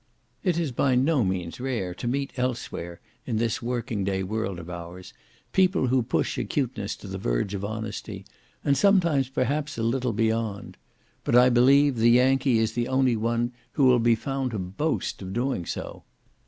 It is by no means rare to meet elsewhere, in this working day world of our's, people who push acuteness to the verge of honesty, and sometimes, perhaps, a little bit beyond; but, I believe, the Yankee is the only one who will be found to boast of doing so.